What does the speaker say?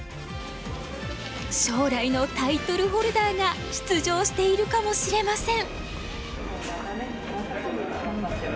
将来のタイトルホルダーが出場しているかもしれません。